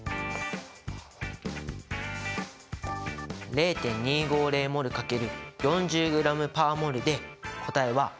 ０．２５０ｍｏｌ×４０ｇ／ｍｏｌで答えは１０ｇ。